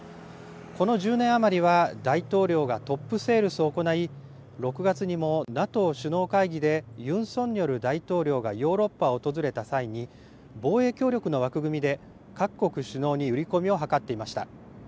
この１０年余りは大統領がトップセールスを行い、６月にも、ＮＡＴＯ首脳会議で、ユン・ソンニョル大統領がヨーロッパを訪れた際に、防衛協力の枠組みで各国首脳に売り込みを図っていました。